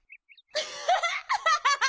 アハハハハ！